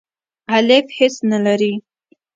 الیف هیڅ نه لری.